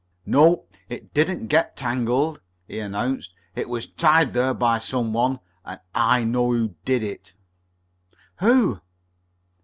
"No, it didn't get tangled," he announced. "It was tied there by some one, and I know who did it." "Who?"